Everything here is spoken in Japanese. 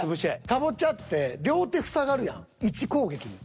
カボチャって両手塞がるやん１攻撃に。